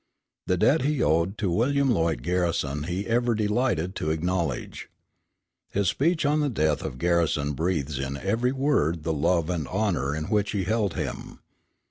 The debt he owed to William Lloyd Garrison he ever delighted to acknowledge. His speech on the death of Garrison breathes in every word the love and honor in which he held him.